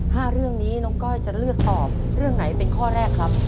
ห้าเรื่องนี้น้องก้อยจะเลือกตอบเรื่องไหนเป็นข้อแรกครับ